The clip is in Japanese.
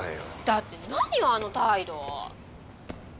だって何よあの態度。